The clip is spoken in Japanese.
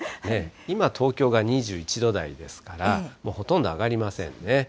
今、東京が２１度台ですから、ほとんど上がりませんね。